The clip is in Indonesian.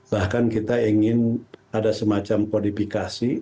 bahkan kita ingin ada semacam kodifikasi